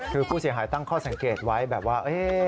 คือผู้เสียหายตั้งข้อสังเกตไว้แบบว่า